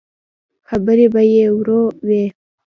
خبرې به يې ورو وې.